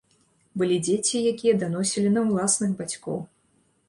Былі дзеці, якія даносілі на ўласных бацькоў.